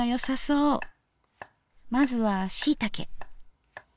まずはしいたけ。